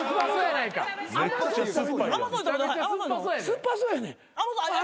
酸っぱそうやねん。